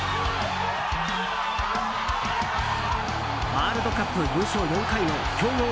ワールドカップ優勝４回の強豪